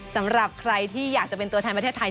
สำหรับใครที่อยากจะเป็นตัวแทนประเทศไทย